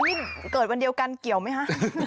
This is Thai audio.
นี่เกิดวันเดียวกันเกี่ยวไหมคะ